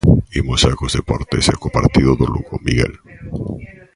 Imos xa cos deportes, e co partido do Lugo, Miguel.